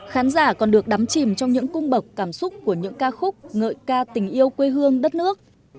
khán giả còn được đắm chìm trong những cung bậc cảm xúc của những ca khúc ngợi ca tình yêu quê hương đất nước